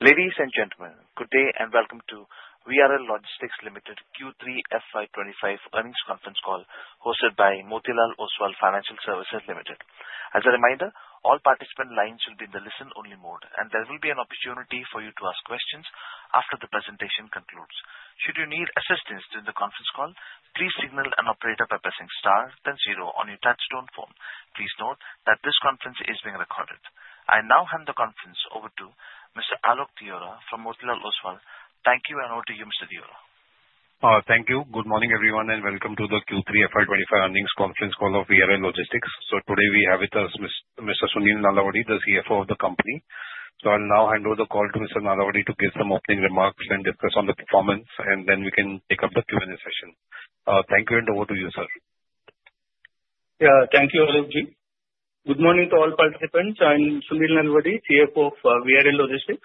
Ladies and gentlemen, good day and welcome to VRL Logistics Limited Q3 FY25 earnings conference call hosted by Motilal Oswal Financial Services Limited. As a reminder, all participant lines will be in the listen-only mode, and there will be an opportunity for you to ask questions after the presentation concludes. Should you need assistance during the conference call, please signal an operator by pressing star then zero on your touch-tone phone. Please note that this conference is being recorded. I now hand the conference over to Mr. Alok Deora from Motilal Oswal. Thank you and over to you, Mr. Deora. Thank you. Good morning, everyone, and welcome to the Q3 FY25 earnings conference call of VRL Logistics. So today we have with us Mr. Sunil Nalavadi, the CFO of the company. So I'll now hand over the call to Mr. Nalavadi to give some opening remarks and discuss on the performance, and then we can take up the Q&A session. Thank you, and over to you, sir. Yeah, thank you, Alok ji. Good morning to all participants. I'm Sunil Nalavadi, CFO of VRL Logistics.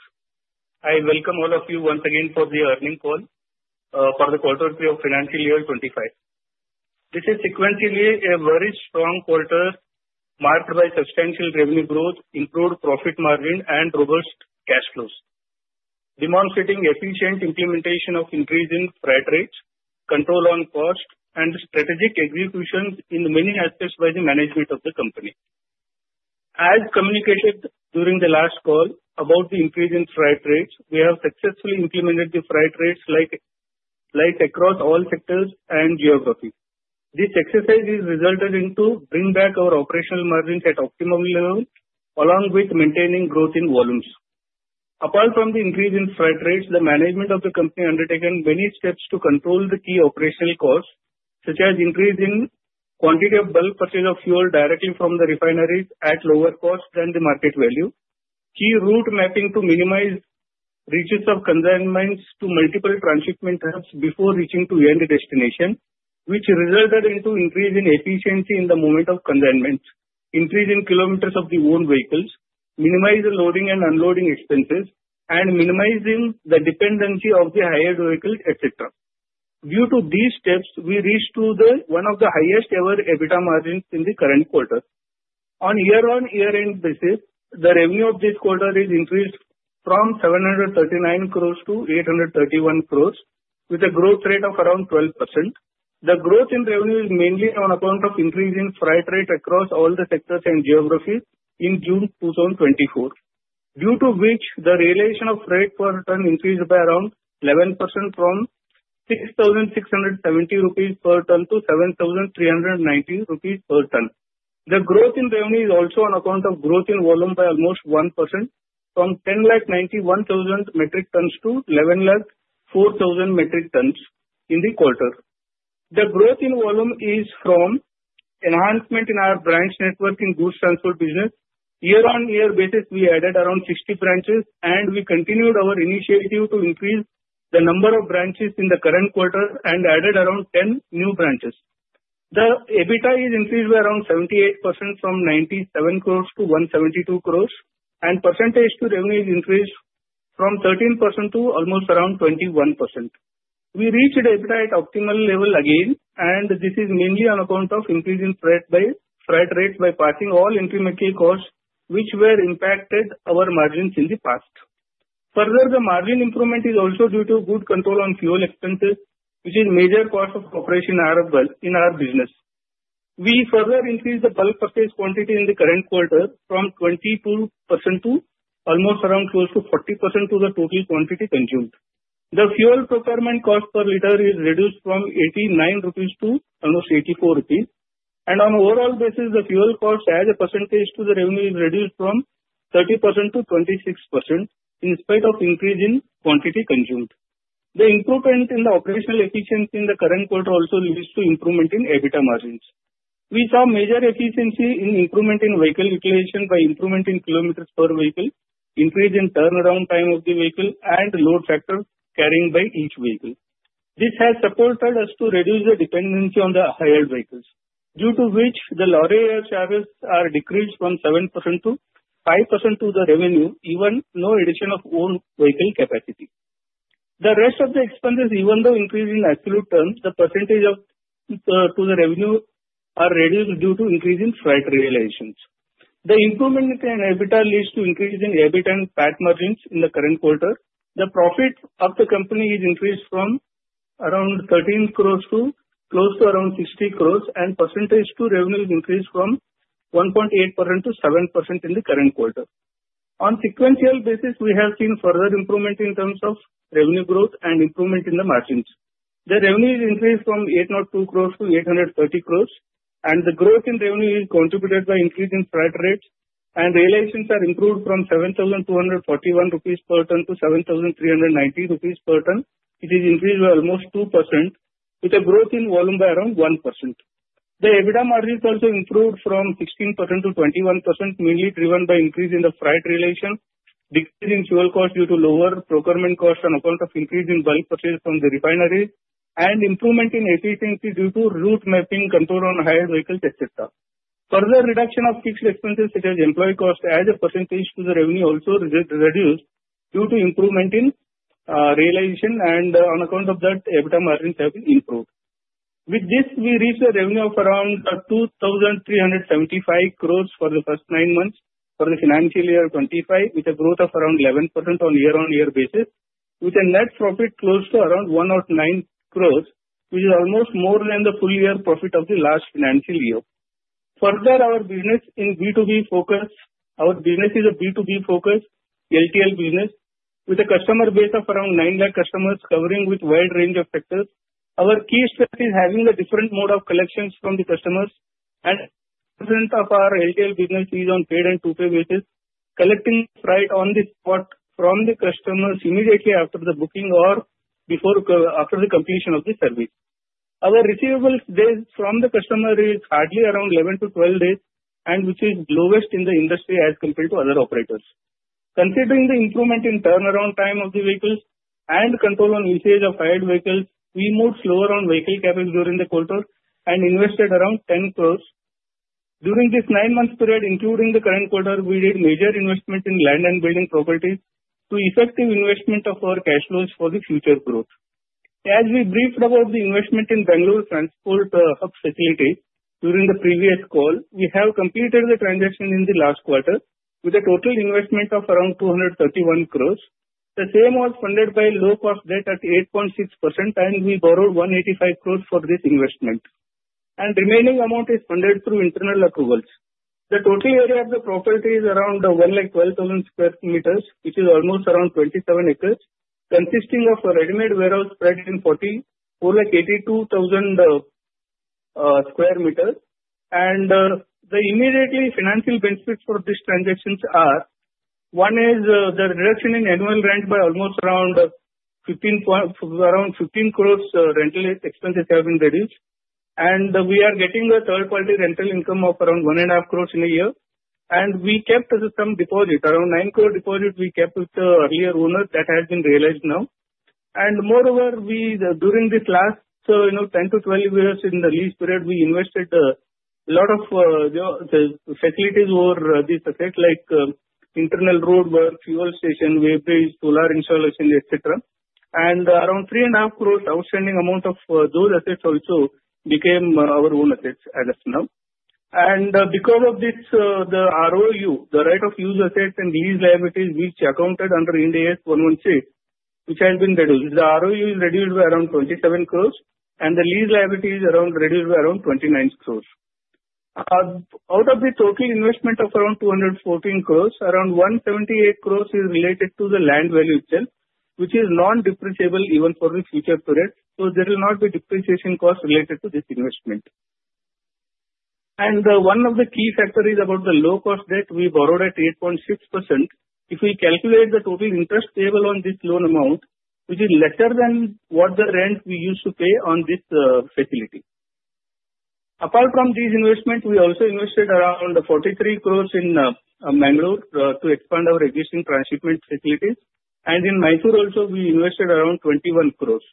I welcome all of you once again for the earnings call for the quarter three of financial year 2025. This is sequentially a very strong quarter marked by substantial revenue growth, improved profit margin, and robust cash flows. Demonstrating efficient implementation of increasing freight rates, control on cost, and strategic execution in many aspects by the management of the company. As communicated during the last call about the increase in freight rates, we have successfully implemented the freight rates like across all sectors and geography. This exercise has resulted in bringing back our operational margins at optimum level, along with maintaining growth in volumes. Apart from the increase in freight rates, the management of the company undertook many steps to control the key operational costs, such as increasing the quantity of bulk purchase of fuel directly from the refineries at lower cost than the market value, key route mapping to minimize reaches of consignments to multiple transshipment hubs before reaching to the end destination, which resulted in increasing efficiency in the movement of consignment, increasing kilometers of the owned vehicles, minimizing loading and unloading expenses, and minimizing the dependency of the hired vehicles, etc. Due to these steps, we reached one of the highest-ever EBITDA margins in the current quarter. On a year-on-year basis, the revenue of this quarter has increased from 739 crores to 831 crores, with a growth rate of around 12%. The growth in revenue is mainly on account of increasing freight rates across all the sectors and geographies in June 2024, due to which the realization of freight per ton increased by around 11% from 6,670 rupees per ton to 7,390 rupees per ton. The growth in revenue is also on account of growth in volume by almost 1%, from 1,091,000 metric tons to 1,104,000 metric tons in the quarter. The growth in volume is from enhancement in our branch network in goods transport business. Year-on-year basis, we added around 60 branches, and we continued our initiative to increase the number of branches in the current quarter and added around 10 new branches. The EBITDA has increased by around 78% from 97 crores to 172 crores, and percentage to revenue has increased from 13% to almost around 21%. We reached EBITDA at optimal level again, and this is mainly on account of increasing freight rates by passing all incremental costs which were impacting our margins in the past. Further, the margin improvement is also due to good control on fuel expenses, which is a major part of operations in our business. We further increased the bulk purchase quantity in the current quarter from 22% to almost around close to 40% of the total quantity consumed. The fuel procurement cost per liter has reduced from 89 rupees to almost 84 rupees, and on an overall basis, the fuel cost as a percentage to the revenue has reduced from 30% to 26% in spite of increasing quantity consumed. The improvement in the operational efficiency in the current quarter also leads to improvement in EBITDA margins. We saw major efficiency in improvement in vehicle utilization by improvement in kilometers per vehicle, increase in turnaround time of the vehicle, and load factor carrying by each vehicle. This has supported us to reduce the dependency on the hired vehicles, due to which the lorry service has decreased from 7% to 5% of the revenue, even no addition of owned vehicle capacity. The rest of the expenses, even though increased in absolute terms, the percentage to the revenue has reduced due to increasing freight realizations. The improvement in EBITDA leads to increasing EBIT and PAT margins in the current quarter. The profit of the company has increased from around 13 crores to close to around 60 crores, and percentage to revenue has increased from 1.8% to 7% in the current quarter. On a sequential basis, we have seen further improvement in terms of revenue growth and improvement in the margins. The revenue has increased from 802 crores to 830 crores, and the growth in revenue is contributed by increasing freight rates, and realizations have improved from 7,241 rupees per ton to 7,390 rupees per ton. It has increased by almost 2%, with a growth in volume by around 1%. The EBITDA margins also improved from 16% to 21%, mainly driven by increase in the freight realization, decrease in fuel cost due to lower procurement cost on account of increase in bulk purchase from the refineries, and improvement in efficiency due to route mapping, control on hired vehicles, etc. Further reduction of fixed expenses, such as employee cost as a percentage to the revenue, also reduced due to improvement in realization, and on account of that, EBITDA margins have improved. With this, we reached a revenue of around 2,375 crores for the first nine months for the financial year 2025, with a growth of around 11% on a year-on-year basis, with a net profit close to around 109 crores, which is almost more than the full-year profit of the last financial year. Further, our business is a B2B focus. Our business is a B2B focus LTL business, with a customer base of around 9,000,000 customers covering a wide range of sectors. Our key strength is having a different mode of collection from the customers, and the presence of our LTL business is on paid and to-pay basis, collecting freight on the spot from the customers immediately after the booking or after the completion of the service. Our receivables days from the customer are hardly around 11-12 days, which is the lowest in the industry as compared to other operators. Considering the improvement in turnaround time of the vehicles and control on usage of hired vehicles, we moved slower on vehicle CAPEX during the quarter and invested around 10 crores. During this nine-month period, including the current quarter, we did major investments in land and building properties to effect investment of our cash flows for the future growth. As we briefed about the investment in Bengaluru Transport Hub facilities during the previous call, we have completed the transaction in the last quarter with a total investment of around 231 crores, the same was funded by low-cost debt at 8.6%, and we borrowed 185 crores for this investment, and the remaining amount is funded through internal accruals. The total area of the property is around 112,000 square meters, which is almost around 27 acres, consisting of a ready-made warehouse spread in 482,000 square meters. And the immediate financial benefits for these transactions are: one is the reduction in annual rent by almost around 15 crores. Rental expenses have been reduced, and we are getting a third-party rental income of around 1.5 crores in a year. And we kept some deposit, around 9 crores deposit we kept with the earlier owner that has been realized now. And moreover, during this last 10 to 12 years in the lease period, we invested a lot of facilities over these assets, like internal road work, fuel station, weighbridge, solar installation, etc. And around 3.5 crores outstanding amount of those assets also became our own assets as of now. Because of this, the ROU, the right-of-use assets and lease liabilities, which are accounted under Ind AS 116, which has been reduced, the ROU is reduced by around 27 crores, and the lease liabilities are reduced by around 29 crores. Out of the total investment of around 214 crores, around 178 crores is related to the land value itself, which is non-depreciable even for the future period, so there will not be depreciation costs related to this investment. One of the key factors is about the low-cost debt we borrowed at 8.6%. If we calculate the total interest payable on this loan amount, which is lesser than what the rent we used to pay on this facility. Apart from these investments, we also invested around 43 crores in Bengaluru to expand our existing transshipment facilities, and in Mysuru also, we invested around 21 crores.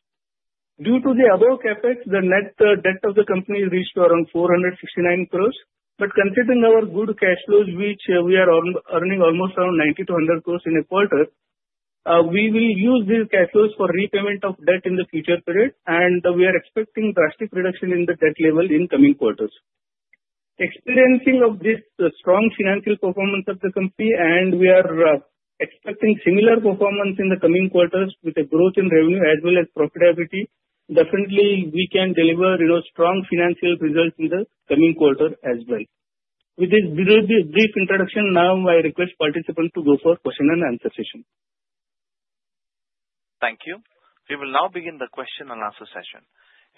Due to the above effects, the net debt of the company reached around 469 crores. But considering our good cash flows, which we are earning almost around 90-100 crores in a quarter, we will use these cash flows for repayment of debt in the future period, and we are expecting drastic reduction in the debt level in coming quarters. Experiencing this strong financial performance of the company, and we are expecting similar performance in the coming quarters with a growth in revenue as well as profitability, definitely we can deliver strong financial results in the coming quarter as well. With this brief introduction, now I request participants to go for question and answer session. Thank you. We will now begin the question and answer session.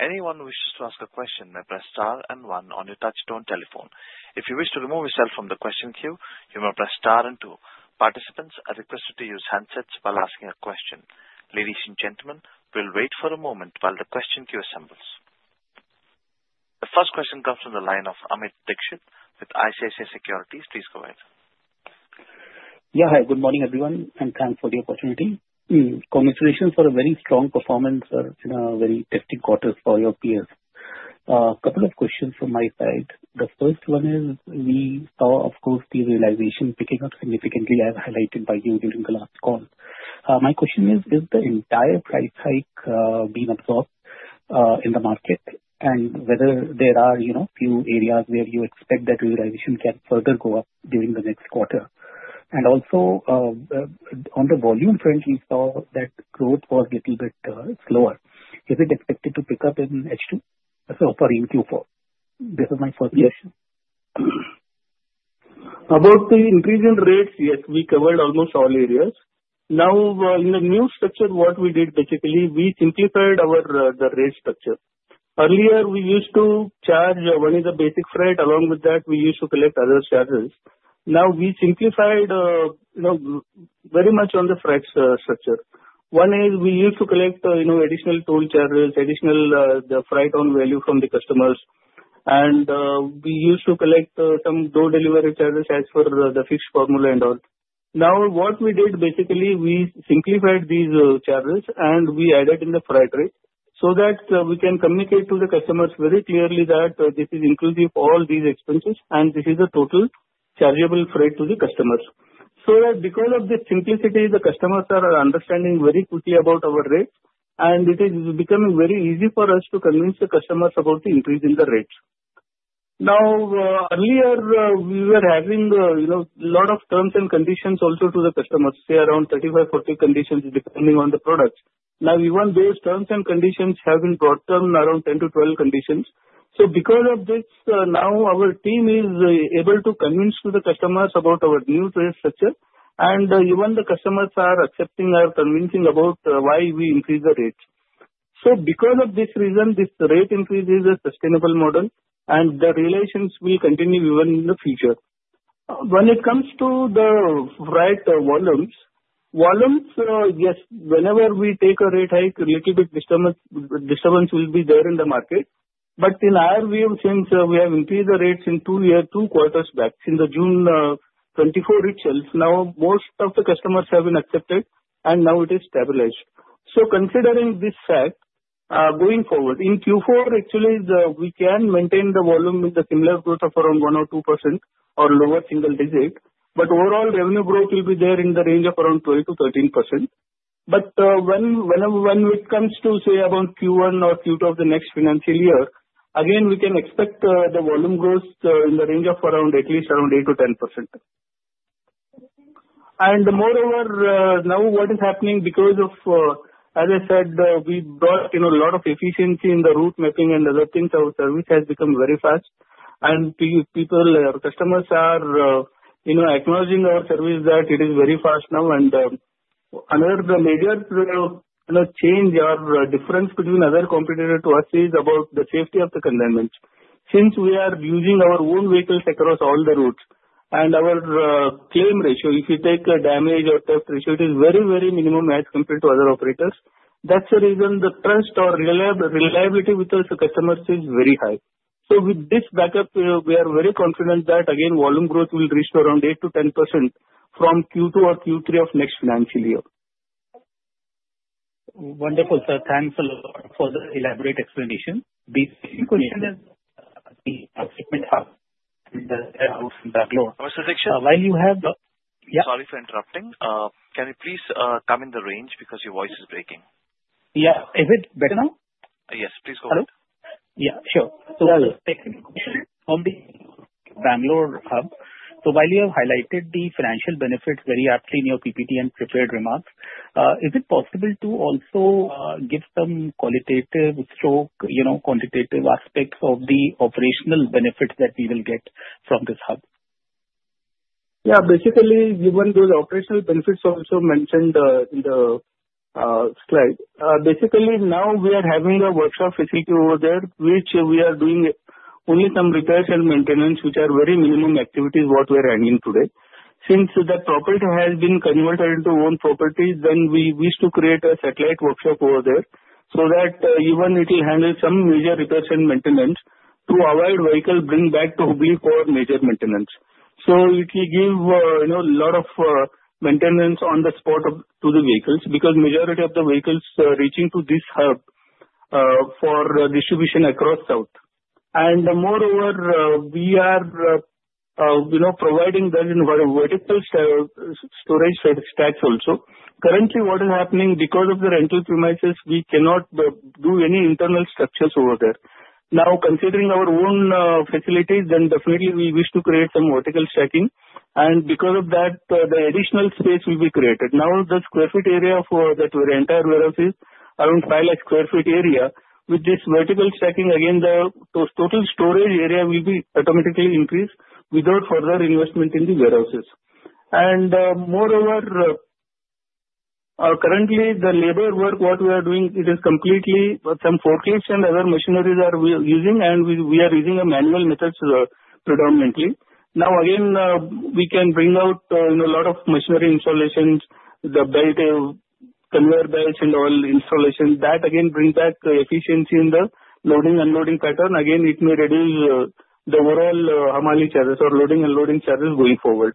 Anyone wishes to ask a question may press star and one on your touch-tone telephone. If you wish to remove yourself from the question queue, you may press star and two. Participants are requested to use handsets while asking a question. Ladies and gentlemen, we'll wait for a moment while the question queue assembles. The first question comes from the line of Amit Dixit with ICICI Securities. Please go ahead. Yeah, hi. Good morning, everyone, and thanks for the opportunity. Congratulations for a very strong performance in a very testing quarter for your peers. A couple of questions from my side. The first one is we saw, of course, the realization picking up significantly as highlighted by you during the last call. My question is, is the entire price hike being absorbed in the market, and whether there are a few areas where you expect that realization can further go up during the next quarter? And also, on the volume front, we saw that growth was a little bit slower. Is it expected to pick up in H2 or in Q4? This is my first question. About the increase in rates, yes, we covered almost all areas. Now, in the new structure, what we did basically, we simplified our rate structure. Earlier, we used to charge one of the basic freight. Along with that, we used to collect other charges. Now, we simplified very much on the freight structure. One is we used to collect additional toll charges, additional freight on value from the customers, and we used to collect some door delivery charges as per the fixed formula and all. Now, what we did basically, we simplified these charges and we added in the freight rate so that we can communicate to the customers very clearly that this is inclusive of all these expenses, and this is the total chargeable freight to the customers. So that because of the simplicity, the customers are understanding very quickly about our rate, and it is becoming very easy for us to convince the customers about the increase in the rates. Now, earlier, we were having a lot of terms and conditions also to the customers, say around 35-40 conditions depending on the products. Now, even those terms and conditions have been brought down around 10-12 conditions. So because of this, now our team is able to convince the customers about our new rate structure, and even the customers are accepting our convincing about why we increased the rates. So because of this reason, this rate increase is a sustainable model, and the relations will continue even in the future. When it comes to the freight volumes, yes, whenever we take a rate hike, a little bit disturbance will be there in the market. But in our view, since we have increased the rates in two quarters back, in the June 2024 itself, now most of the customers have been accepted, and now it is stabilized. So considering this fact, going forward, in Q4, actually, we can maintain the volume with a similar growth of around 1 or 2% or lower single digit, but overall revenue growth will be there in the range of around 12%-13%. But when it comes to, say, about Q1 or Q2 of the next financial year, again, we can expect the volume growth in the range of at least around 8%-10%. And moreover, now what is happening because of, as I said, we brought a lot of efficiency in the route mapping and other things, our service has become very fast, and people, our customers are acknowledging our service that it is very fast now. Another major change or difference between other competitors to us is about the safety of the consignment. Since we are using our own vehicles across all the routes, and our claim ratio, if you take a damage or theft ratio, it is very, very minimum as compared to other operators. That's the reason the trust or reliability with us, the customers, is very high. So with this backup, we are very confident that, again, volume growth will reach around 8%-10% from Q2 or Q3 of next financial year. Wonderful, sir. Thanks a lot for the elaborate explanation. The second question is the transshipment hub and the warehouse in Bengaluru. While you have. Sorry for interrupting. Can you please come in the range because your voice is breaking? Yeah. Is it better now? Yes, please go ahead. Hello? Yeah, sure. So second question from the Bengaluru hub. So while you have highlighted the financial benefits very aptly in your PPT and prepared remarks, is it possible to also give some qualitative or quantitative aspects of the operational benefits that we will get from this hub? Yeah. Basically, even those operational benefits also mentioned in the slide. Basically, now we are having a workshop facility over there, which we are doing only some repairs and maintenance, which are very minimum activities what we are handling today. Since that property has been converted into own property, then we wish to create a satellite workshop over there so that even it will handle some major repairs and maintenance to avoid vehicle bring back to Hubballi for major maintenance. So it will give a lot of maintenance on the spot to the vehicles because the majority of the vehicles are reaching to this hub for distribution across south. Moreover, we are providing them in vertical storage stacks also. Currently, what is happening, because of the rental premises, we cannot do any internal structures over there. Now, considering our own facilities, then definitely we wish to create some vertical stacking. And because of that, the additional space will be created. Now, the sq ft area for that entire warehouse is around 5 lakh sq ft area. With this vertical stacking, again, the total storage area will be automatically increased without further investment in the warehouses. And moreover, currently, the labor work what we are doing, it is completely some forklifts and other machineries are using, and we are using manual methods predominantly. Now, again, we can bring out a lot of machinery installations, the conveyor belts and all installations that again bring back efficiency in the loading and unloading pattern. Again, it may reduce the overall hamali charges or loading and unloading charges going forward.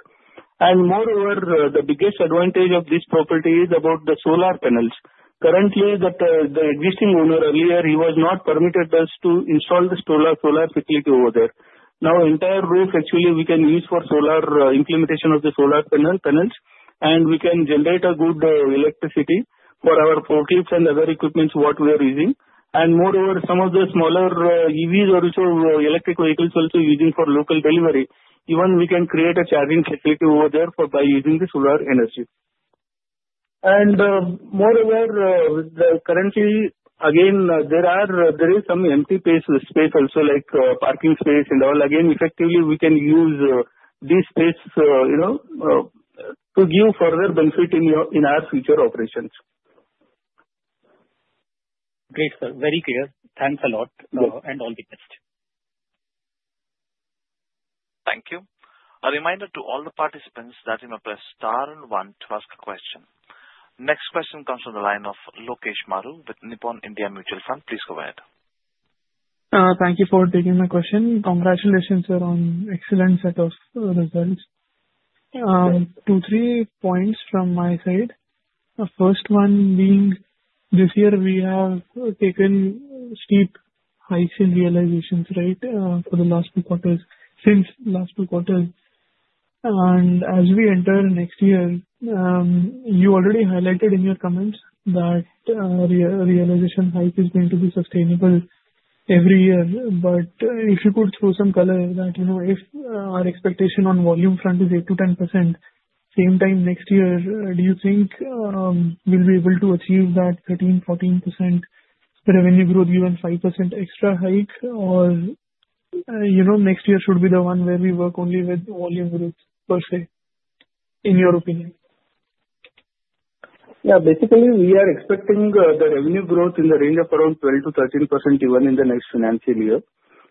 And moreover, the biggest advantage of this property is about the solar panels. Currently, the existing owner earlier, he was not permitted us to install the solar facility over there. Now, the entire roof, actually, we can use for solar implementation of the solar panels, and we can generate good electricity for our forklifts and other equipments what we are using. Moreover, some of the smaller EVs or electric vehicles also using for local delivery, even we can create a charging facility over there by using the solar energy. Moreover, currently, again, there is some empty space also, like parking space and all. Again, effectively, we can use this space to give further benefit in our future operations. Great, sir. Very clear. Thanks a lot and all the best. Thank you. A reminder to all the participants that you may press star and one to ask a question. Next question comes from the line of Lokesh Maru with Nippon India Mutual Fund. Please go ahead. Thank you for taking my question. Congratulations, sir, on excellent set of results. Two, three points from my side. The first one being, this year, we have taken steep hikes in realization rate for the last two quarters since last two quarters. And as we enter next year, you already highlighted in your comments that realization hike is going to be sustainable every year. But if you could throw some color that if our expectation on volume front is 8%-10%, same time next year, do you think we'll be able to achieve that 13%-14% revenue growth, even 5% extra hike, or next year should be the one where we work only with volume growth per se, in your opinion? Yeah. Basically, we are expecting the revenue growth in the range of around 12%-13% even in the next financial year,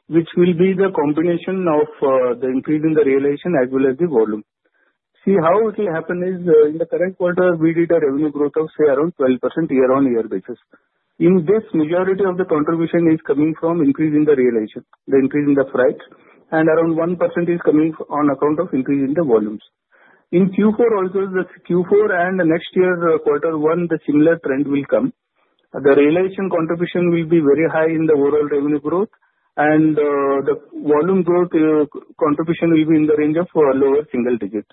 which will be the combination of the increase in the realization as well as the volume. See, how it will happen is in the current quarter, we did a revenue growth of, say, around 12% year-on-year basis. In this, majority of the contribution is coming from increase in the realization, the increase in the freight, and around 1% is coming on account of increase in the volumes. In Q4 also, Q4 and next year quarter one, the similar trend will come. The realization contribution will be very high in the overall revenue growth, and the volume growth contribution will be in the range of lower single digit.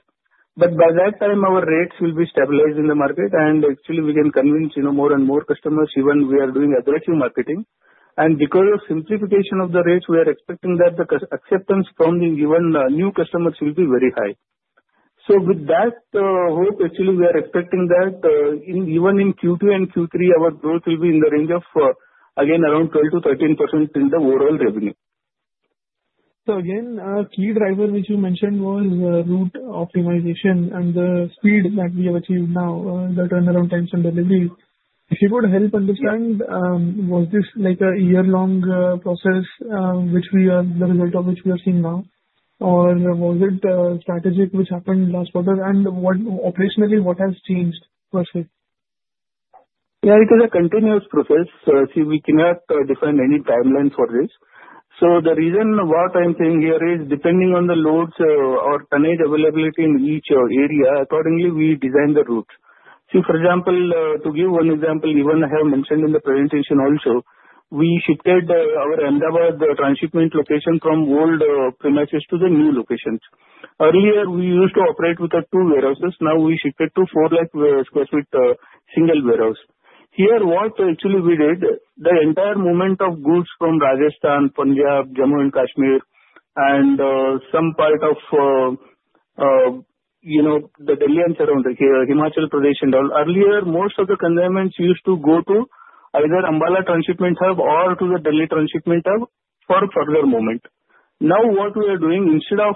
But by that time, our rates will be stabilized in the market, and actually, we can convince more and more customers, even we are doing aggressive marketing. And because of simplification of the rates, we are expecting that the acceptance from the even new customers will be very high. So with that hope, actually, we are expecting that even in Q2 and Q3, our growth will be in the range of, again, around 12%-13% in the overall revenue. So again, a key driver which you mentioned was route optimization and the speed that we have achieved now, the turnaround times and deliveries. If you could help understand, was this like a year-long process, the result of which we are seeing now, or was it strategic which happened last quarter, and operationally, what has changed per se? Yeah, it is a continuous process. See, we cannot define any timeline for this. So the reason what I'm saying here is, depending on the loads or tonnage availability in each area, accordingly, we design the route. See, for example, to give one example, even I have mentioned in the presentation also, we shifted our Ahmedabad transshipment location from old premises to the new locations. Earlier, we used to operate with two warehouses. Now, we shifted to 4 lakh sq ft single warehouse. Here, what actually we did, the entire movement of goods from Rajasthan, Punjab, Jammu and Kashmir, and some part of the Delhi and Jalandhar, Himachal Pradesh and all, earlier, most of the consignments used to go to either Ambala transshipment hub or to the Delhi transshipment hub for further movement. Now, what we are doing, instead of,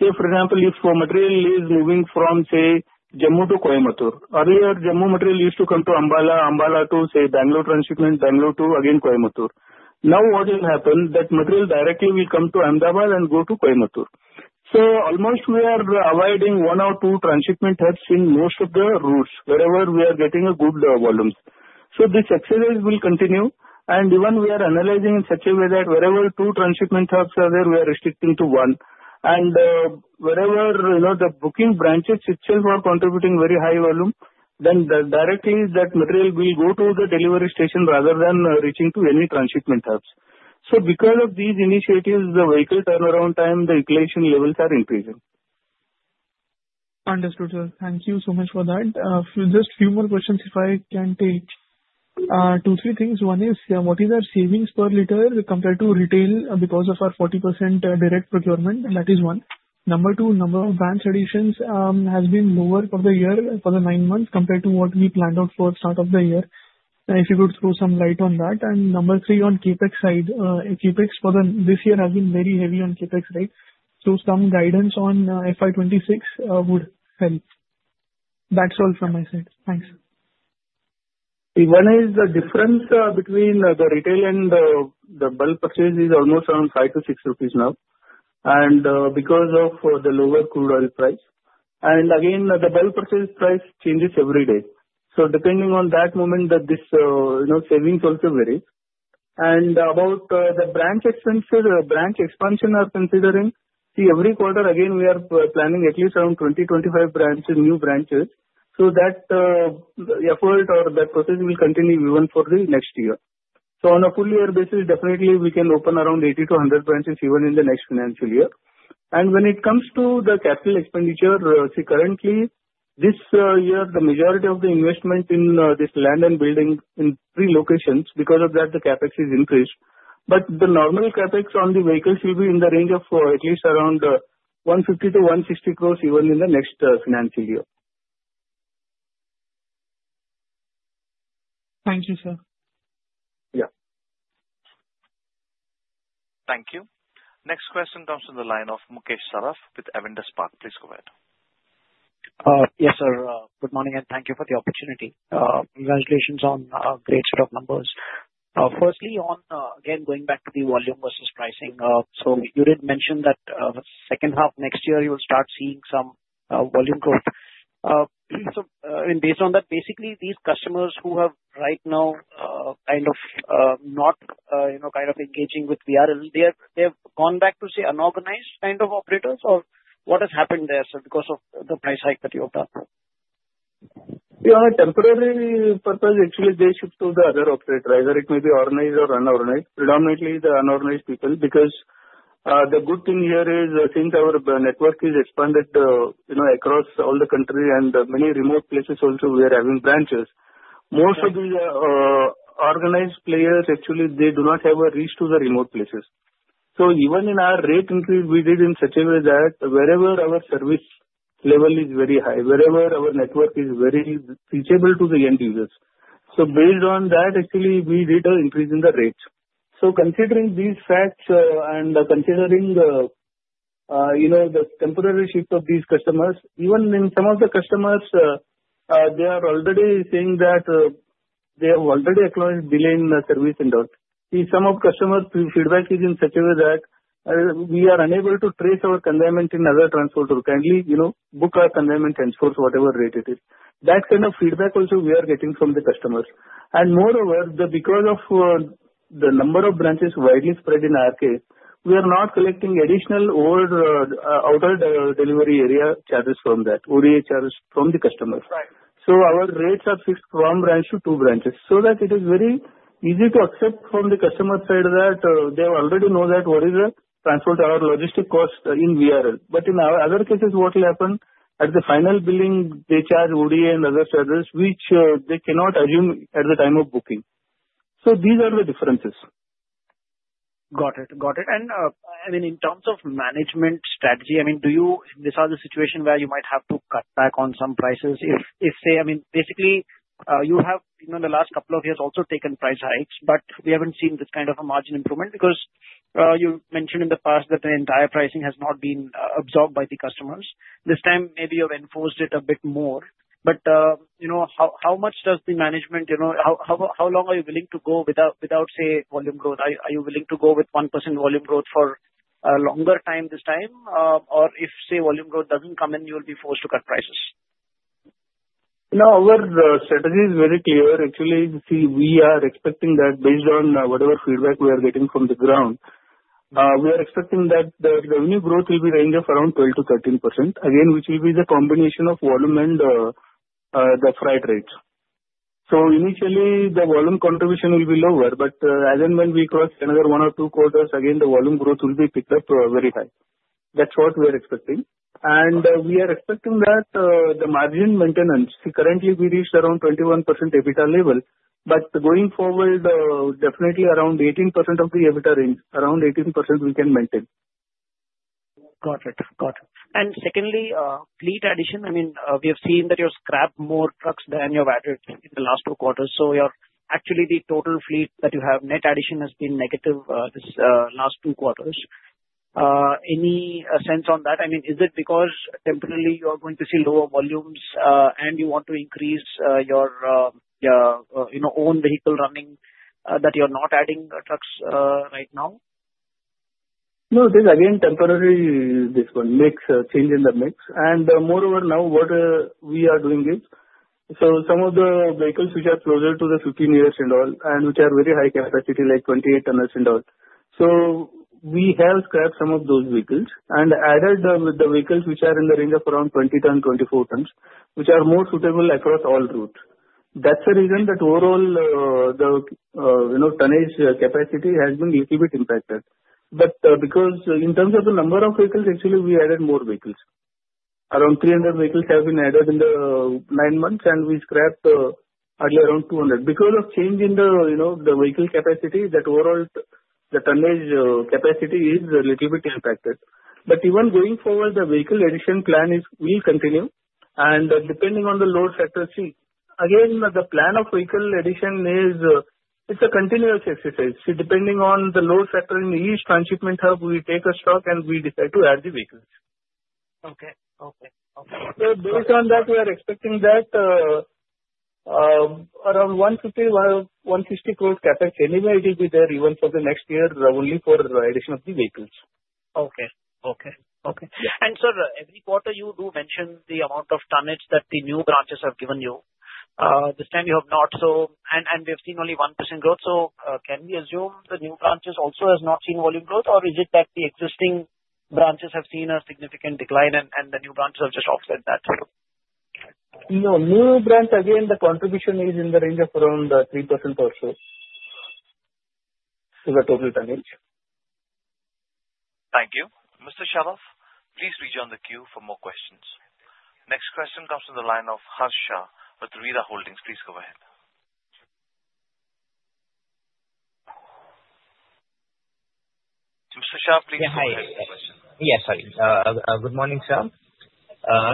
say, for example, if material is moving from, say, Jammu to Coimbatore, earlier, Jammu material used to come to Ambala, Ambala to, say, Bengaluru transshipment, Bengaluru to, again, Coimbatore. Now, what will happen? That material directly will come to Ahmedabad and go to Coimbatore. So almost we are avoiding one or two transshipment hubs in most of the routes wherever we are getting good volumes. So this exercise will continue, and even we are analyzing in such a way that wherever two transshipment hubs are there, we are restricting to one. And wherever the booking branches itself are contributing very high volume, then directly that material will go to the delivery station rather than reaching to any transshipment hubs. So because of these initiatives, the vehicle turnaround time, the inflation levels are increasing. Understood, sir. Thank you so much for that. Just a few more questions if I can take. Two, three things. One is, what is our savings per liter compared to retail because of our 40% direct procurement? That is one. Number two, number of branch additions has been lower for the year, for the nine months, compared to what we planned out for the start of the year. If you could throw some light on that. And number three, on CAPEX side, CAPEX for this year has been very heavy on CAPEX rate. So some guidance on FY26 would help. That's all from my side. Thanks. One is the difference between the retail and the bulk purchase is almost around 5-6 rupees now, and because of the lower crude oil price. And again, the bulk purchase price changes every day. So depending on that moment, this savings also varies. And about the branch expansion, we are considering, see, every quarter, again, we are planning at least around 20-25 new branches. So that effort or that process will continue even for the next year. So on a full year basis, definitely, we can open around 80-100 branches even in the next financial year. And when it comes to the capital expenditure, see, currently, this year, the majority of the investment in this land and building in three locations, because of that, the CapEx is increased. But the normal CAPEX on the vehicles will be in the range of at least around 150-160 crores even in the next financial year. Thank you, sir. Yeah. Thank you. Next question comes from the line of Mukesh Saraf with Avendus Spark. Please go ahead. Yes, sir. Good morning and thank you for the opportunity. Congratulations on a great set of numbers. Firstly, again, going back to the volume versus pricing, so you did mention that the second half next year, you will start seeing some volume growth. Based on that, basically, these customers who have right now kind of not engaging with VRL, they have gone back to, say, unorganized kind of operators, or what has happened there, sir, because of the price hike that you have done? Yeah, temporarily for us, actually, they shift to the other operator, either it may be organized or unorganized. Predominantly, the unorganized people. Because the good thing here is since our network is expanded across all the country and many remote places also, we are having branches. Most of these organized players, actually, they do not have a reach to the remote places. So even in our rate increase, we did in such a way that wherever our service level is very high, wherever our network is very reachable to the end users. So based on that, actually, we did an increase in the rates. So considering these facts and considering the temporary shift of these customers, even in some of the customers, they are already saying that they have already acquired billion service induct. See, some customers' feedback is in such a way that we are unable to trace our consignment in other transport to kindly book our consignment and source whatever rate it is. That kind of feedback also we are getting from the customers. Moreover, because of the number of branches widely spread in our case, we are not collecting additional outer delivery area charges from that, ODA charges from the customers. So our rates are fixed from branch to branch. So that it is very easy to accept from the customer side that they already know that what is the transport or logistic cost in VRL. But in our other cases, what will happen at the final billing, they charge ODA and other charges, which they cannot assume at the time of booking. So these are the differences. Got it. Got it. And I mean, in terms of management strategy, I mean, this is a situation where you might have to cut back on some prices. If, say, I mean, basically, you have in the last couple of years also taken price hikes, but we haven't seen this kind of a margin improvement because you mentioned in the past that the entire pricing has not been absorbed by the customers. This time, maybe you have enforced it a bit more. But how much does the management, how long are you willing to go without, say, volume growth? Are you willing to go with 1% volume growth for a longer time this time? Or if, say, volume growth doesn't come in, you will be forced to cut prices? No, our strategy is very clear. Actually, see, we are expecting that based on whatever feedback we are getting from the ground, we are expecting that the revenue growth will be in the range of around 12%-13%, again, which will be the combination of volume and the freight rates. So initially, the volume contribution will be lower, but as and when we cross another one or two quarters, again, the volume growth will be picked up very high. That's what we are expecting. And we are expecting that the margin maintenance, see, currently, we reached around 21% EBITDA level, but going forward, definitely around 18% of the EBITDA range, around 18% we can maintain. Got it. Got it. And secondly, fleet addition, I mean, we have seen that you have scrapped more trucks than you have added in the last two quarters. So actually, the total fleet that you have net addition has been negative this last two quarters. Any sense on that? I mean, is it because temporarily you are going to see lower volumes and you want to increase your own vehicle running that you're not adding trucks right now? No, again, temporarily, this one makes a change in the mix, and moreover, now what we are doing is so some of the vehicles which are closer to the 15 years and all, and which are very high capacity, like 28 tons and all. So we have scrapped some of those vehicles and added with the vehicles which are in the range of around 20 tons, 24 tons, which are more suitable across all routes. That's the reason that overall the tonnage capacity has been a little bit impacted, but because in terms of the number of vehicles, actually, we added more vehicles. Around 300 vehicles have been added in the nine months, and we scrapped hardly around 200. Because of change in the vehicle capacity, that overall the tonnage capacity is a little bit impacted, but even going forward, the vehicle addition plan will continue. Depending on the load factor, see, again, the plan of vehicle addition is it's a continuous exercise. See, depending on the load factor in each transshipment hub, we take a stock and we decide to add the vehicles. Okay. Okay. Okay. So based on that, we are expecting that around 150-160 crores CAPEX, anyway, it will be there even for the next year only for the addition of the vehicles. Okay. And, sir, every quarter, you do mention the amount of tonnage that the new branches have given you. This time, you have not. And we have seen only 1% growth. So can we assume the new branches also have not seen volume growth, or is it that the existing branches have seen a significant decline and the new branches have just offset that? No. New branch, again, the contribution is in the range of around 3% or so to the total tonnage. Thank you. Mr. Saraf, please rejoin the queue for more questions. Next question comes from the line of Harsh with RARE Enterprises. Please go ahead. Mr. Saraf, please go ahead. Yes, sorry. Good morning, sir.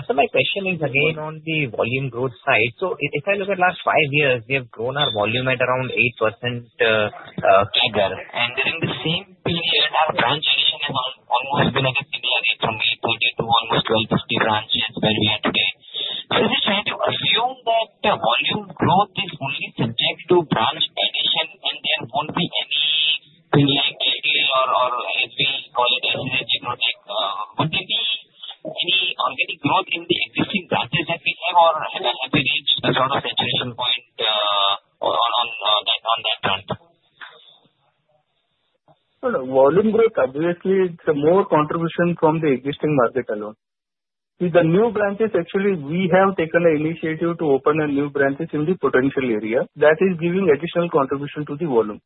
So my question is again on the volume growth side. So if I look at last five years, we have grown our volume at around 8% figure. And during the same period, our branch addition has almost been at a similar rate from 822, almost 1250 branches where we are today. So is it fair to assume that volume growth is only subject to branch addition and there won't be any like LTL or as we call it, as an agent protect? Would there be any organic growth in the existing branches that we have or have we reached a sort of saturation point on that front? Well, volume growth, obviously, it's more contribution from the existing market alone. See, the new branches, actually, we have taken the initiative to open new branches in the potential area that is giving additional contribution to the volume.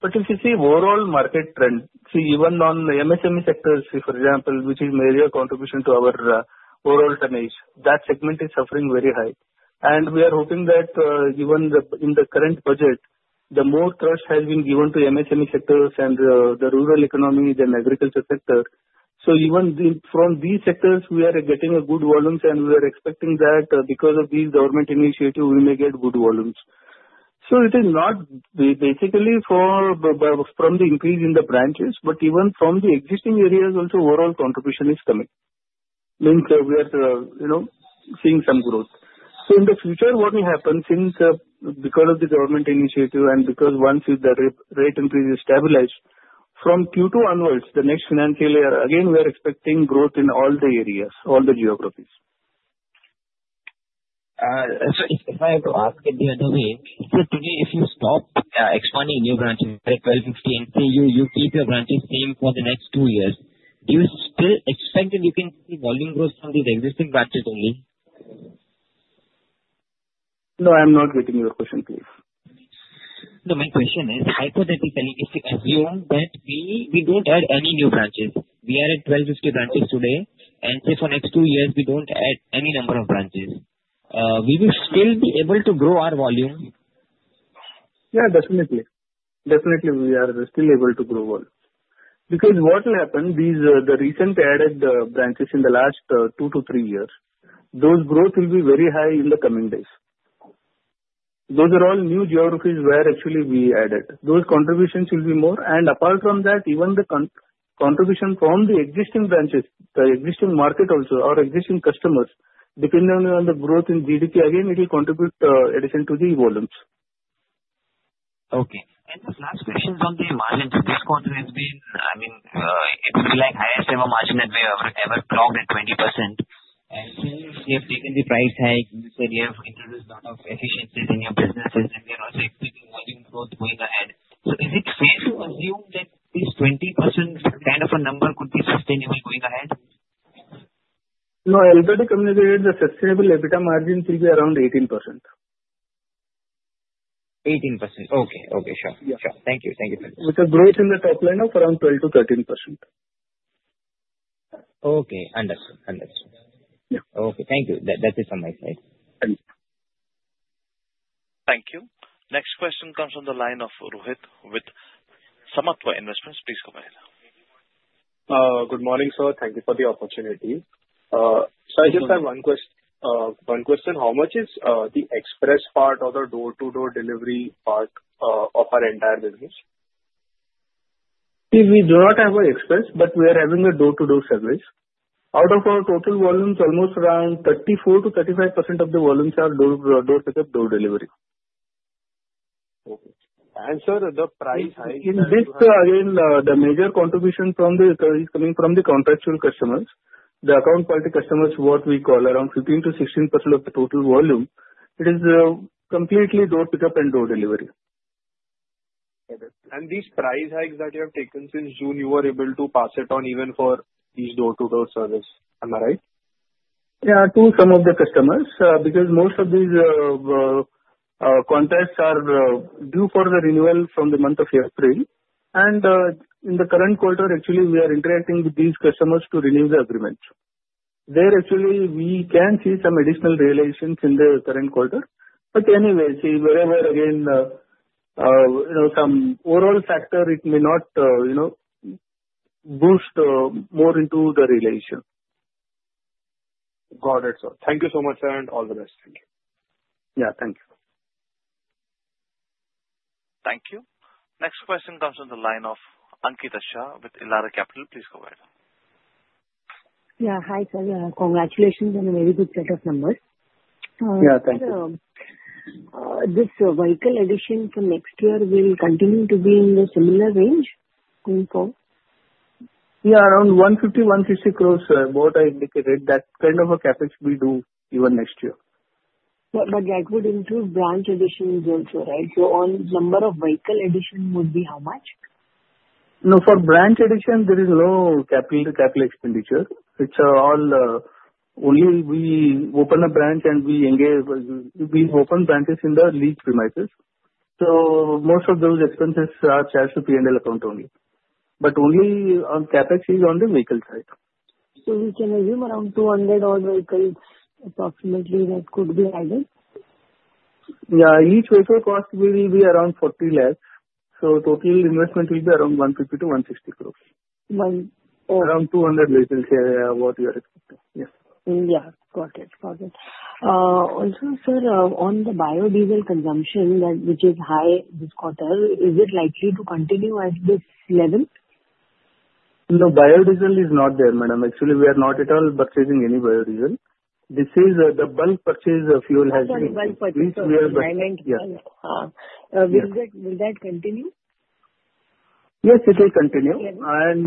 But if you see overall market trend, see, even on the MSME sectors, for example, which is major contribution to our overall tonnage, that segment is suffering very high. And we are hoping that even in the current budget, the more trust has been given to MSME sectors and the rural economy and agriculture sector. So even from these sectors, we are getting good volumes, and we are expecting that because of these government initiatives, we may get good volumes. So it is not basically from the increase in the branches, but even from the existing areas, also overall contribution is coming. Means we are seeing some growth. In the future, what will happen since because of the government initiative and because once the rate increase is stabilized, from Q2 onwards, the next financial year, again, we are expecting growth in all the areas, all the geographies. So if I have to ask it the other way, if you stop expanding new branches at 12.50 and say you keep your branches same for the next two years, do you still expect that you can see volume growth from these existing branches only? No, I'm not getting your question, please. No, my question is, hypothetically, if we assume that we don't add any new branches, we are at 12.50 branches today, and say for next two years, we don't add any number of branches, will we still be able to grow our volume? Yeah, definitely. Definitely, we are still able to grow volume. Because what will happen, the recently added branches in the last two to three years, those growth will be very high in the coming days. Those are all new geographies where actually we added. Those contributions will be more. And apart from that, even the contribution from the existing branches, the existing market also, our existing customers, depending on the growth in GDP, again, it will contribute addition to the volumes. Okay. And this last question is on the margin. So this quarter has been, I mean, it would be like highest ever margin that we have ever clocked at 20%. And since you have taken the price hike, you said you have introduced a lot of efficiencies in your businesses, and you're also expecting volume growth going ahead. So is it fair to assume that this 20% kind of a number could be sustainable going ahead? No, already communicated the sustainable EBITDA margin will be around 18%. 18%. Okay. Okay. Sure. Sure. Thank you. Thank you very much. With the growth in the top line of around 12%-13%. Okay. Understood. Understood. Okay. Thank you. That is on my side. Thank you. Thank you. Next question comes from the line of Rohit with Samarthya Investment Advisors. Please go ahead. Good morning, sir. Thank you for the opportunity, so I just have one question. How much is the express part or the door-to-door delivery part of our entire business? See, we do not have an express, but we are having a door-to-door service. Out of our total volumes, almost around 34%-35% of the volumes are door-to-door delivery. Okay. And sir, the price hike is? In this, again, the major contribution is coming from the contractual customers, the account quality customers, what we call around 15%-16% of the total volume. It is completely door-to-door and door delivery. These price hikes that you have taken since June, you were able to pass it on even for this door-to-door service. Am I right? Yeah, to some of the customers because most of these contracts are due for the renewal from the month of April, and in the current quarter, actually, we are interacting with these customers to renew the agreement. There actually, we can see some additional realizations in the current quarter, but anyway, see, wherever, again, some overall factor, it may not boost more into the realization. Got it, sir. Thank you so much, sir, and all the best. Thank you. Yeah, thank you. Thank you. Next question comes from the line of Ankita Shah with Elara Capital. Please go ahead. Yeah. Hi, sir. Congratulations on a very good set of numbers. Yeah, thank you. This vehicle addition for next year will continue to be in the similar range going forward? Yeah, around 150-160 crores, sir. Both are indicated that kind of a CAPEX we do even next year. But that would include branch additions also, right? So the number of vehicle additions would be how much? No, for branch addition, there is no capital to capital expenditure. It's all only we open a branch and we engage with we open branches in the lease premises. So most of those expenses are charged to P&L account only. But only on CAPEX is on the vehicle side. So we can assume around 200 odd vehicles approximately that could be added? Yeah. Each vehicle cost will be around 40 lakhs. So total investment will be around 150-160 crores. Around 200 lakhs is what we are expecting. Yes. Yeah. Got it. Got it. Also, sir, on the biodiesel consumption, which is high this quarter, is it likely to continue at this level? No, biodiesel is not there, madam. Actually, we are not at all purchasing any biodiesel. This is the bulk purchase fuel has been. Bulk purchase fuel. Which we are purchasing. Will that continue? Yes, it will continue. And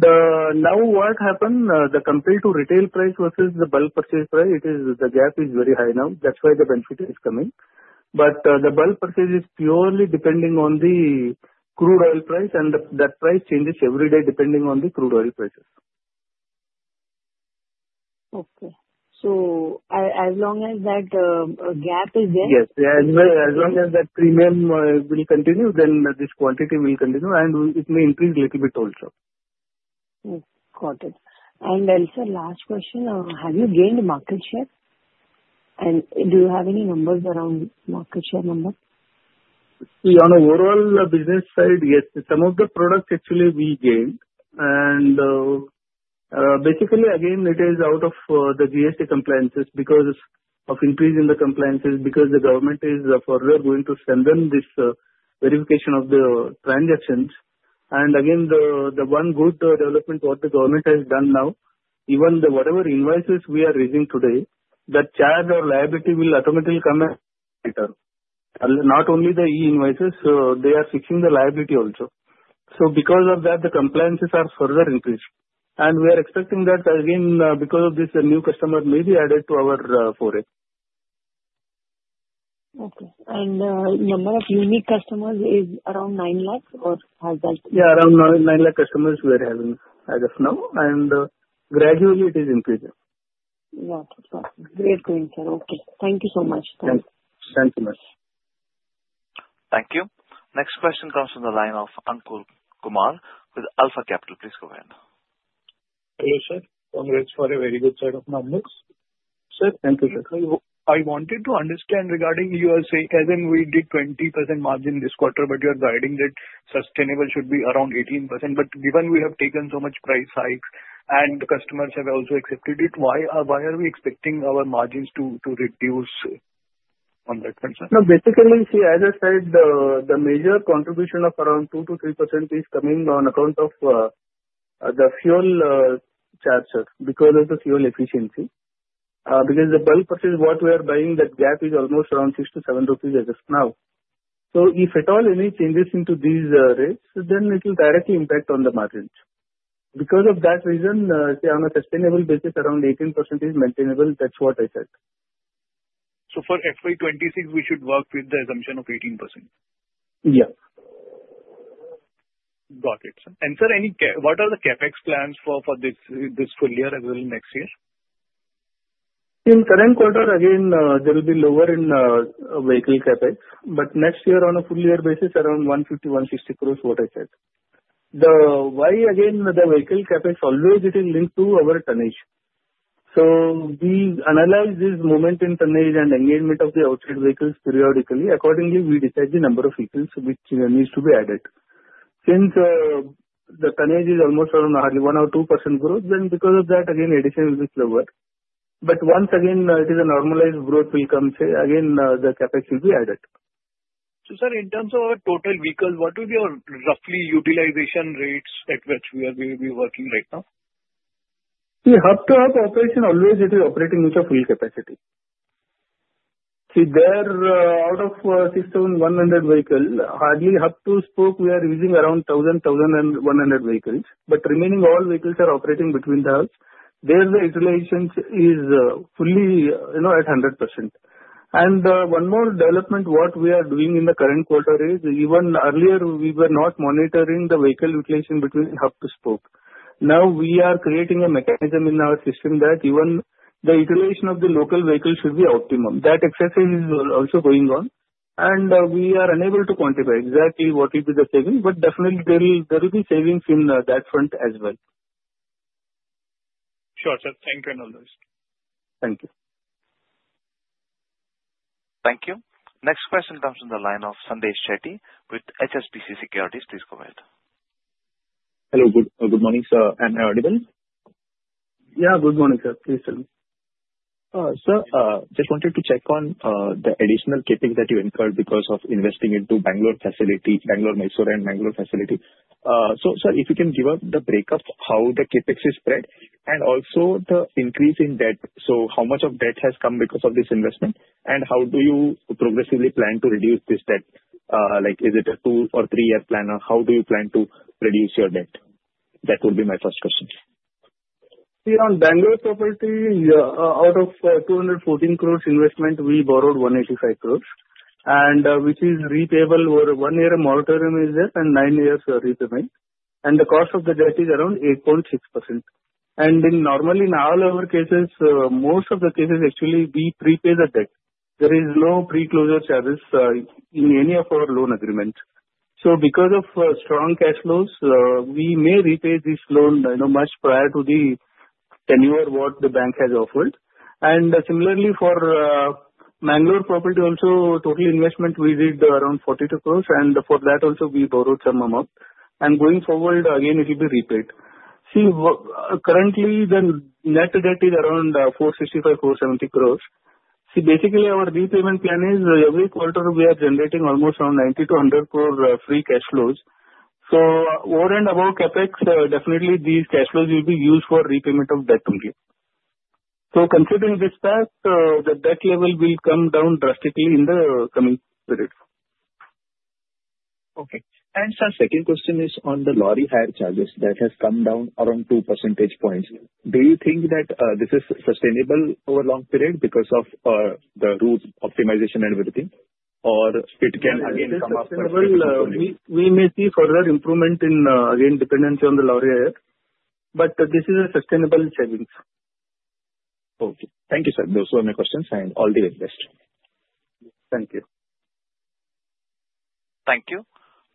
now what happened, compared to retail price versus the bulk purchase price, the gap is very high now. That's why the benefit is coming. But the bulk purchase is purely depending on the crude oil price, and that price changes every day depending on the crude oil prices. Okay. So as long as that gap is there? Yes. As long as that premium will continue, then this quantity will continue, and it may increase a little bit also. Got it. And also, last question, have you gained market share? And do you have any numbers around market share number? On the overall business side, yes. Some of the products actually we gained. And basically, again, it is out of the GST compliances because of increase in the compliances because the government is further going to send them this verification of the transactions. And again, the one good development what the government has done now, even the whatever invoices we are raising today, that charge or liability will automatically come at the return. Not only the e-invoices, they are fixing the liability also. So because of that, the compliances are further increased. And we are expecting that, again, because of this, the new customer may be added to our fold. Okay. And number of unique customers is around 9 lakhs or has that? Yeah, around 9 lakh customers we are having as of now. And gradually it is increasing. Got it. Got it. Great point, sir. Okay. Thank you so much. Thank you much. Thank you. Next question comes from the line of Ankur Kumar with Alpha Capital. Please go ahead. Hello, sir. Congrats for a very good set of numbers. Thank you, sir. I wanted to understand regarding your say, as in we did 20% margin this quarter, but you are guiding that sustainable should be around 18%. But given we have taken so much price hikes and the customers have also accepted it, why are we expecting our margins to reduce on that concern? No, basically, see, as I said, the major contribution of around 2%-3% is coming on account of the fuel charge, sir, because of the fuel efficiency. Because the bulk purchase, what we are buying, that gap is almost around 6-7 rupees as of now. So if at all any changes into these rates, then it will directly impact on the margins. Because of that reason, on a sustainable basis, around 18% is maintainable. That's what I said. So for FY26, we should work with the assumption of 18%? Yeah. Got it. Sir, what are the CAPEX plans for this full year as well next year? In the current quarter, again, there will be lower in vehicle CAPEX. But next year, on a full year basis, around 150-160 crores, what I said. Why, again, the vehicle CAPEX always is linked to our tonnage. So we analyze the movement in tonnage and engagement of the outside vehicles periodically. Accordingly, we decide the number of vehicles which needs to be added. Since the tonnage is almost around only 1 or 2% growth, then because of that, again, addition will be slower. But once again, it is a normalized growth will come, say, again, the CAPEX will be added. So sir, in terms of our total vehicles, what will be our roughly utilization rates at which we will be working right now? See, hub to hub operation always is operating with full capacity. See, there out of 6,100 vehicles, hardly hub to spoke we are using around 1,000, 1,100 vehicles. But remaining all vehicles are operating between the hubs. There the utilization is fully at 100%. One more development, what we are doing in the current quarter is, even earlier we were not monitoring the vehicle utilization between hub to spoke. Now we are creating a mechanism in our system that even the utilization of the local vehicle should be optimum. That excess is also going on. We are unable to quantify exactly what it is the savings. But definitely there will be savings in that front as well. Sure, sir. Thank you and all those. Thank you. Thank you. Next question comes from the line of Sandesh Shetty with HSBC Securities. Please go ahead. Hello. Good morning, sir. Am I audible? Yeah, good morning, sir. Please tell me. Sir, just wanted to check on the additional CAPEX that you incurred because of investing into Bengaluru facility, Bengaluru-Mysuru and Bengaluru facility. So sir, if you can give us the breakup, how the CAPEX is spread, and also the increase in debt. So how much of debt has come because of this investment? And how do you progressively plan to reduce this debt? Is it a two or three-year plan? How do you plan to reduce your debt? That would be my first question. See, on Bengaluru property, out of 214 crores investment, we borrowed 185 crores. And which is repayable over one year monetary amount is that and nine years repayment. And the cost of the debt is around 8.6%. And normally in all our cases, most of the cases actually we prepay the debt. There is no pre-closure service in any of our loan agreements. So because of strong cash flows, we may repay this loan much prior to the tenure what the bank has offered. And similarly for Bengaluru property also, total investment we did around 42 crores. And for that also, we borrowed some amount. And going forward, again, it will be repaid. See, currently the net debt is around 465-470 crores. See, basically our repayment plan is every quarter we are generating almost around 90-100 crore free cash flows. So over and above CAPEX, definitely these cash flows will be used for repayment of debt only. So considering this fact, the debt level will come down drastically in the coming period. Okay. And sir, second question is on the lorry hire charges that have come down around 2 percentage points. Do you think that this is sustainable over long period because of the route optimization and everything? Or it can again come up? Sustainable, we may see further improvement in dependency on the lorry hire. But this is a sustainable savings. Okay. Thank you, sir. Those were my questions and all the very best. Thank you. Thank you.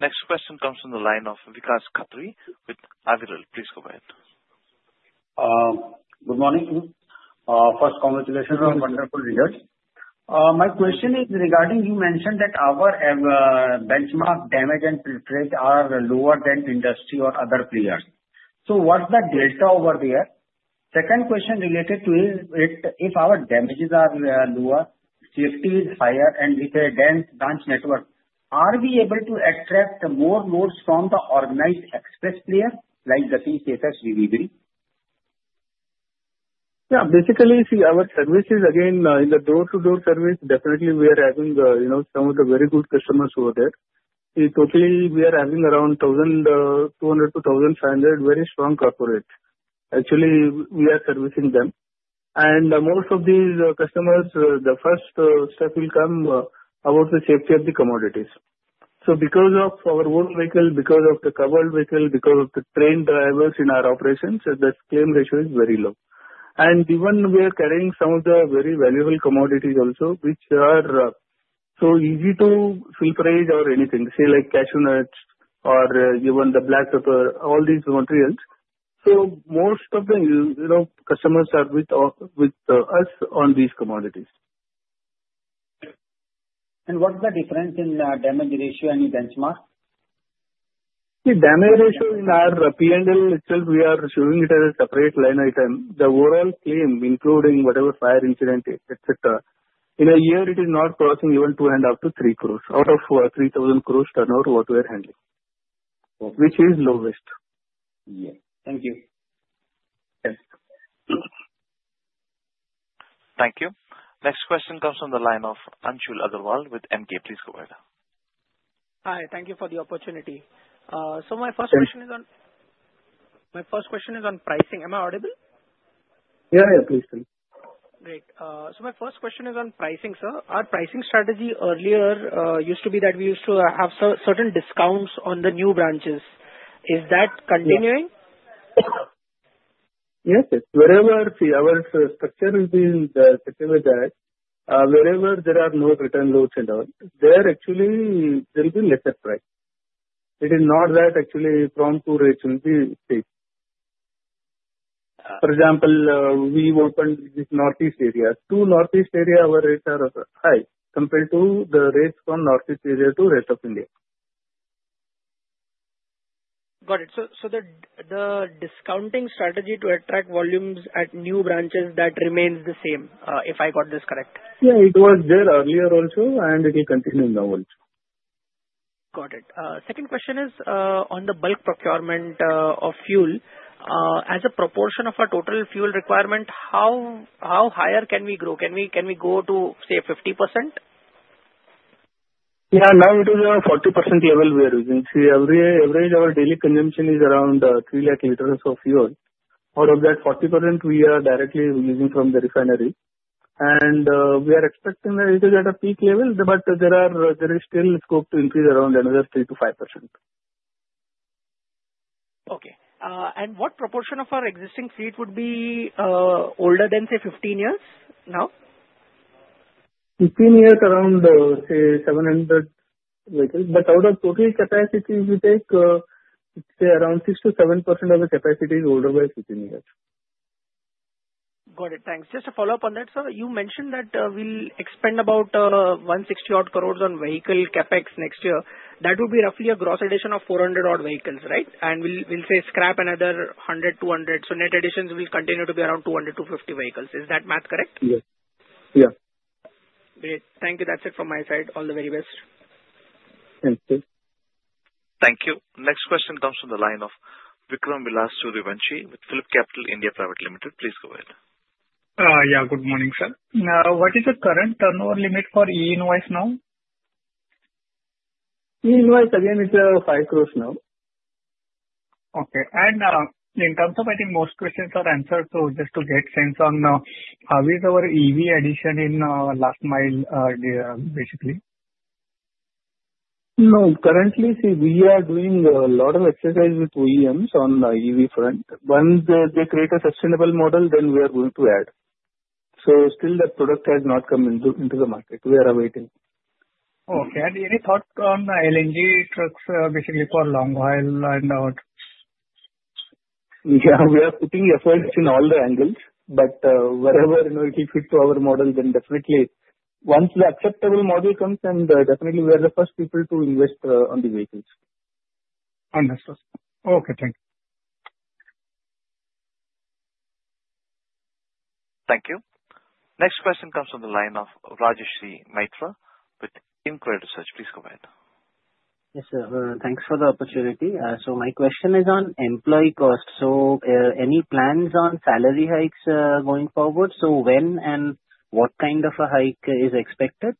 Next question comes from the line of Vikas Khatri with Aviral. Please go ahead. Good morning, sir. First, congratulations on wonderful results. My question is regarding you mentioned that our benchmark damage and freight are lower than industry or other players. So what's the delta over there? Second question related to it, if our damages are lower, safety is higher, and with a dense branch network, are we able to attract more loads from the organized express player like Gati-KWE, TCI Express? Yeah. Basically, see, our services again, in the door-to-door service, definitely we are having some of the very good customers who are there. See, totally we are having around 1,200-1,500 very strong corporates. Actually, we are servicing them. And most of these customers, the first step will come about the safety of the commodities. So because of our own vehicle, because of the covered vehicle, because of the trained drivers in our operations, the claim ratio is very low. And even we are carrying some of the very valuable commodities also, which are so easy to pilfer or anything. Say like cashew nuts or even the black pepper, all these materials. So most of the customers are with us on these commodities. What's the difference in damage ratio and benchmark? See, damage ratio in our P&L itself, we are showing it as a separate line item. The overall claim, including whatever fire incident, etc., in a year, it is not crossing even two and up to three crores out of 3,000 crores turnover, what we are handling, which is lowest. Yeah. Thank you. Thank you. Next question comes from the line of Anshul Agrawal with Emkay. Please go ahead. Hi. Thank you for the opportunity. So my first question is on. Sure. My first question is on pricing. Am I audible? Yeah, yeah. Please tell me. Great. So my first question is on pricing, sir. Our pricing strategy earlier used to be that we used to have certain discounts on the new branches. Is that continuing? Yes, yes. Wherever our structure has been settled with that, wherever there are no return loads and all, there actually there will be lesser price. It is not that actually from-to rates will be same. For example, we opened this Northeast area. To Northeast area our rates are high compared to the rates from Northeast area to rest of India. Got it. So the discounting strategy to attract volumes at new branches, that remains the same, if I got this correct? Yeah, it was there earlier also, and it will continue now also. Got it. Second question is on the bulk procurement of fuel. As a proportion of our total fuel requirement, how higher can we grow? Can we go to, say, 50%? Yeah. Now it is a 40% level we are using. See, every average, our daily consumption is around 3 lakh liters of fuel. Out of that 40%, we are directly using from the refinery. And we are expecting that it is at a peak level, but there is still scope to increase around another 3%-5%. Okay, and what proportion of our existing fleet would be older than, say, 15 years now? 15 years, around, say, 700 vehicles. But out of total capacity we take, say, around 6%-7% of the capacity is older by 15 years. Got it. Thanks. Just to follow up on that, sir, you mentioned that we'll expend about 160-odd crores on vehicle CAPEX next year. That will be roughly a gross addition of 400-odd vehicles, right? And we'll say scrap another 100, 200. So net additions will continue to be around 200, 250 vehicles. Is that math correct? Yes. Yeah. Great. Thank you. That's it from my side. All the very best. Thank you. Thank you. Next question comes from the line of Vikram Suryavanshi with PhillipCapital (India) Pvt. Ltd. Please go ahead. Yeah. Good morning, sir. What is the current turnover limit for e-invoice now? E-invoice again is INR five crores now. Okay. And in terms of, I think most questions are answered, so just to get sense on how is our EV addition in last mile basically? No. Currently, see, we are doing a lot of exercise with OEMs on the EV front. Once they create a sustainable model, then we are going to add. So still that product has not come into the market. We are awaiting. Okay. And any thoughts on LNG trucks basically for long-haul and our? Yeah. We are putting efforts in all the angles. But wherever it will fit to our model, then definitely once the acceptable model comes, then definitely we are the first people to invest on the vehicles. Understood. Okay. Thank you. Thank you. Next question comes from the line of Rajashree Maitra with Equirus Securities. Please go ahead. Yes, sir. Thanks for the opportunity. So my question is on employee cost. So any plans on salary hikes going forward? So when and what kind of a hike is expected?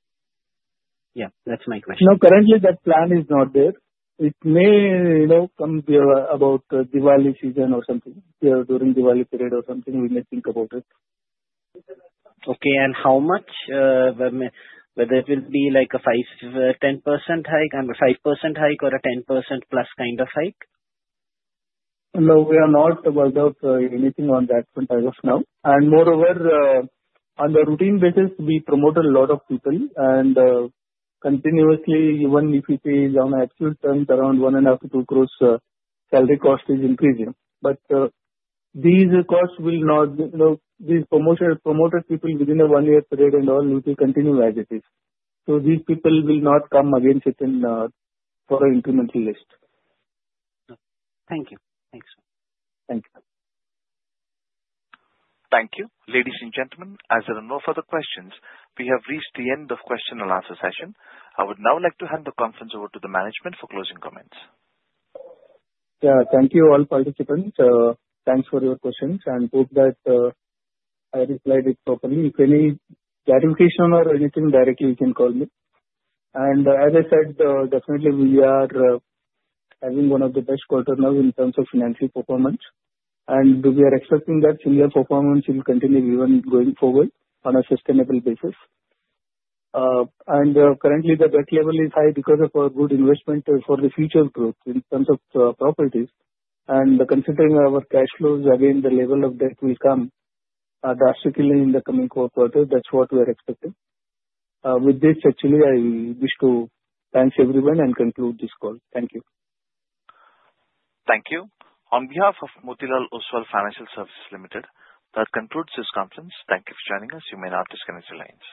Yeah. That's my question. No. Currently, that plan is not there. It may come there about Diwali season or something. During Diwali period or something, we may think about it. Okay. And how much? Whether it will be like a 5-10% hike, 5% hike, or a 10% plus kind of hike? No. We are not about anything on that front as of now, and moreover, on the routine basis, we promote a lot of people, and continuously, even if it is on actual terms, around one and up to two crores, salary cost is increasing. But these costs will not these promoted people within a one-year period and all will continue as it is, so these people will not come again for an incremental list. Thank you. Thanks, sir. Thank you. Thank you. Ladies and gentlemen, as there are no further questions, we have reached the end of question and answer session. I would now like to hand the conference over to the management for closing comments. Yeah. Thank you, all participants. Thanks for your questions. And hope that I replied it properly. If any clarification or anything directly, you can call me. And as I said, definitely we are having one of the best quarters now in terms of financial performance. And we are expecting that similar performance will continue even going forward on a sustainable basis. And currently, the debt level is high because of our good investment for the future growth in terms of properties. And considering our cash flows, again, the level of debt will come drastically in the coming quarter. That's what we are expecting. With this, actually, I wish to thank everyone and conclude this call. Thank you. Thank you. On behalf of Motilal Oswal Financial Services Limited, that concludes this conference. Thank you for joining us. You may now disconnect the lines.